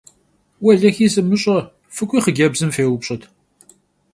Уэлэхьи, сымыщӏэ, фыкӏуи хъыджэбзым феупщӏыт!